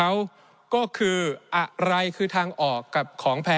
ในช่วงที่สุดในรอบ๑๖ปี